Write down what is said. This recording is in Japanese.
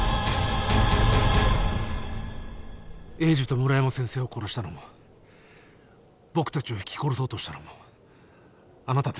栄治と村山先生を殺したのも僕たちをひき殺そうとしたのもあなたですね？